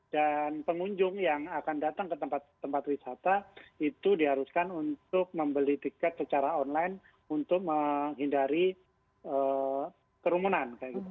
dan pengunjung yang akan datang ke tempat wisata itu diharuskan untuk membeli tiket secara online untuk menghindari kerumunan